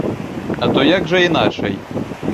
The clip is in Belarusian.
А то як жа іначай?